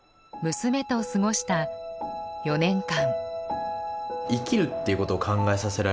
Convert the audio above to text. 娘と過ごした４年間。